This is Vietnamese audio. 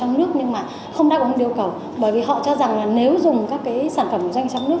nhưng mà không đạt được điều cầu bởi vì họ cho rằng là nếu dùng các cái sản phẩm của doanh nghiệp trong nước